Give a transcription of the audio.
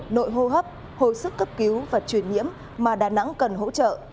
nội hô hấp hồi sức cấp cứu và truyền nhiễm mà đà nẵng cần hỗ trợ